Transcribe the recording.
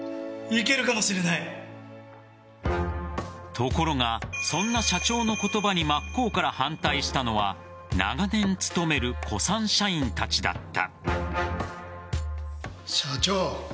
ところが、そんな社長の言葉に真っ向から反対したのは長年勤める古参社員たちだった。